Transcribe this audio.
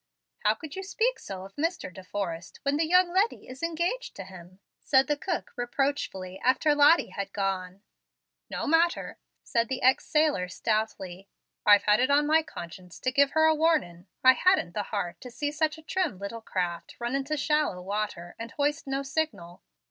"How could you speak so of Mr. De Forrest, when the young leddy is engaged to him?" said the cook, reproachfully, after Lottie had gone. "No matter," said the ex sailor, stoutly. "I've had it on my conscience to give her a warnin'. I hadn't the heart to see such a trim little craft run into shallow water, and hoist no signal.